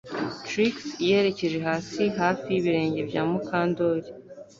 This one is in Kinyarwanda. Trix yerekeje hasi hafi yibirenge bya Mukandoli